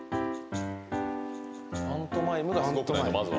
パントマイムがすごくないとまずは。